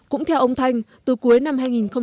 cũng theo ông thanh từ cuối năm hai nghìn một mươi tám